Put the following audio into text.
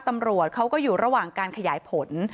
ตำรวจเขาก็อยู่ระหว่างการขยายผล